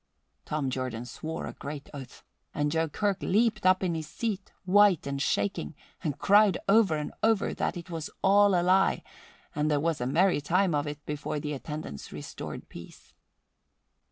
Tom Jordan swore a great oath and Joe Kirk leaped up in his seat, white and shaking, and cried over and over that it was all a lie, and there was a merry time of it before the attendants restored peace.